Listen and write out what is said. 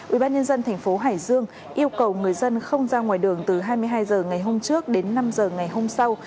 ubnd tp hải dương yêu cầu người dân không ra ngoài đường từ hai mươi hai h ngày hôm trước đến năm h ngày hôm sau